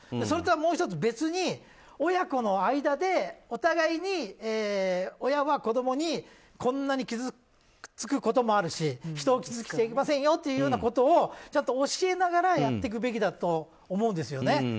それとはもう１つ別に親子の間でお互いに親は子供にこんなに傷つくこともあるし人を傷つけちゃいけませんよというようなことを教えながらやっていくべきだと思うんですよね。